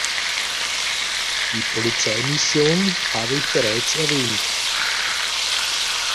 Die Polizeimission habe ich bereits erwähnt.